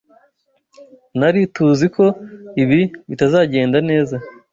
Nari tuziko ibi bitazagenda neza.